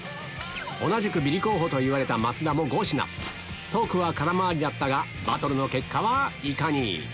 同じくビリ候補と言われた増田も５品トークは空回りだったがバトルの結果はいかに？